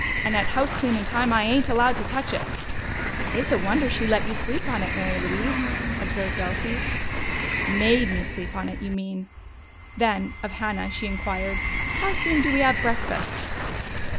And at house cleanin' time I ain't allowed to touch it!" "It's a wonder she let you sleep on it, Mary Louise," observed Elsie. "Made me sleep on it, you mean." Then, of Hannah, she inquired, "How soon do we have breakfast?"